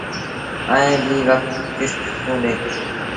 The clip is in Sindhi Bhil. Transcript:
ائيٚݩ ٻيٚ ڪست توݩ ڏي۔